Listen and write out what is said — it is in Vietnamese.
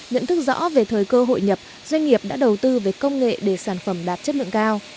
nhận thức rõ về thời cơ hội nhập doanh nghiệp đã đầu tư về công nghệ để sản phẩm đạt chất lượng cao